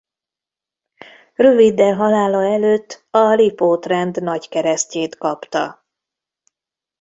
Röviddel halála előtt a Lipót-rend nagykeresztjét kapta.